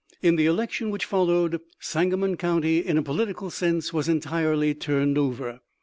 In the election which followed, Sangamon county in a political sense was entirely turned over.